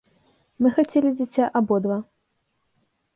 Мы хацелі дзіця абодва.